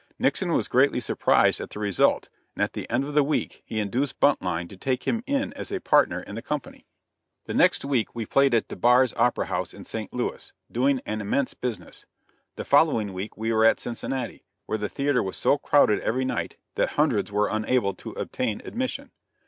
Nixon was greatly surprised at the result, and at the end of the week he induced Buntline to take him in as a partner in the company. The next week we played at DeBar's Opera House, in St. Louis, doing an immense business. The following week we were at Cincinnati, where the theater was so crowded every night that hundreds were unable to obtain admission.